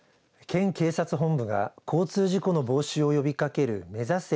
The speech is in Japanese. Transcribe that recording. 県警察本部が交通事故の防止を呼びかけるめざせ！